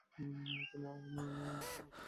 তিনি অধিক সফলতা পান।